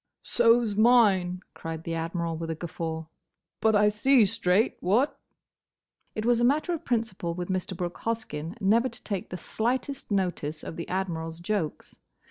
"So 's mine," cried the Admiral, with a guffaw; "but I see straight, what?" It was a matter of principle with Mr. Brooke Hoskyn never to take the slightest notice of the Admiral's jokes.